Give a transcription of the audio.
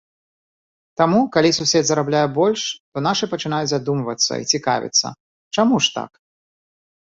Таму, калі сусед зарабляе больш, то нашы пачынаюць задумвацца і цікавіцца, чаму ж так?